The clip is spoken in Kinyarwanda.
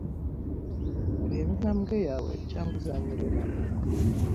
Reba intambwe yawe, cyangwa uzanyerera ugwe